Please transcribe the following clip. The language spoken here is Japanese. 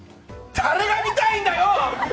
誰が見たいんだよ！